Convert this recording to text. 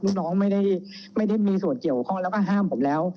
ลูกน้องไม่ได้มีส่วนเกี่ยวข้องแล้วก็ห้ามผมแล้ว